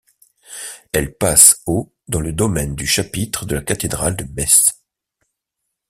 Elle passe au dans le domaine du chapitre de la cathédrale de Metz.